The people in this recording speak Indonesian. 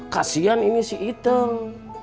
kasian ini si itung